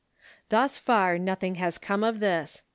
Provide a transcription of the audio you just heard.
Thus far noth ing has come of tliis.